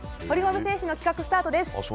堀米選手の企画スタートです。